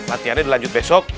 latihan nya dilanjut besok